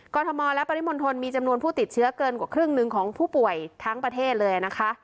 ทมและปริมณฑลมีจำนวนผู้ติดเชื้อเกินกว่าครึ่งหนึ่งของผู้ป่วยทั้งประเทศเลยนะคะ